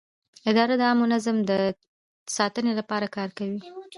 اداره د عامه نظم د ساتنې لپاره کار کوي.